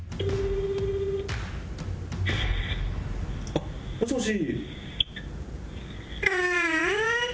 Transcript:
あっもしもし。